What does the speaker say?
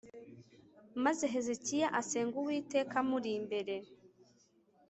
Maze Hezekiya asenga Uwiteka amuri imbere